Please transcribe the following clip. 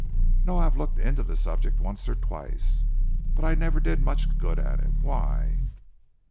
"No. I have looked into the subject once or twice, but I never did much good at it. Why?"